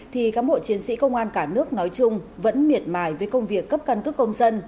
thì các mộ chiến sĩ công an cả nước nói chung vẫn miệt mải với công việc cấp căn cứ công dân